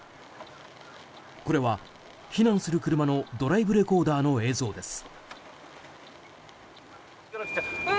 これは避難する車のドライブレコーダーの映像です。